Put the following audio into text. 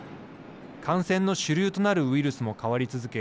感染の主流となるウイルスも変わり続け